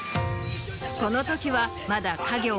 この時はまだ。